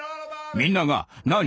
みんなが「何？」